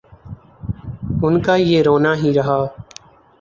ان کا یہ رونا ہی رہا۔